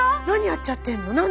何やっちゃってんの？